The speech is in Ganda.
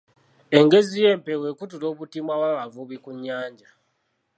Engezi y'empewo ekutula obutimba bw'abavubi ku nnyanja.